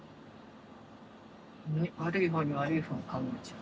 悪い方に悪い方に考えちゃう？